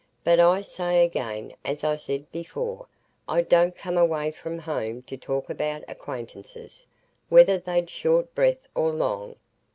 But I say again, as I said before, I didn't come away from home to talk about acquaintances, whether they'd short breath or long.